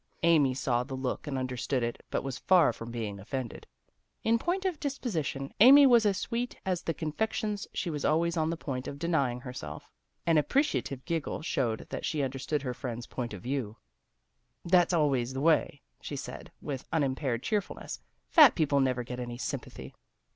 Amy saw the look and un derstood it, but was far from being offended. In point of disposition, Amy was as sweet as the confections she was always on the point of denying herself. An appreciative giggle showed that she understood her friends' point of view. " That's always the way," she said, with unimpaired cheerfulness. " Fat people never get any sympathy."